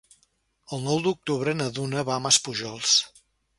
El nou d'octubre na Duna va a Maspujols.